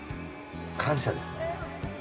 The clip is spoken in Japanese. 感謝ですね。